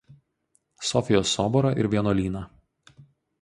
Sofijos soborą ir vienuolyną.